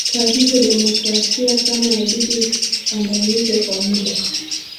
kwa hivyo demoskrasia kama yabidi ikadamizwe kwa muda